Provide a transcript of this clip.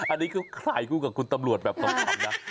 อันนี้เขาขายคู่กับคุณตำรวจแบบขำนะ